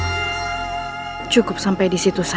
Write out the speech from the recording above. hai cukup sampai di situ saja